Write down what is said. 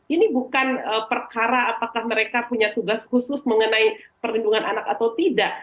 ini bukan perkara apakah mereka punya tugas khusus mengenai perlindungan anak atau tidak